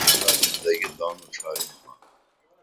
صرف اُمیدونا زندگی تانوں ڇھارینُمہ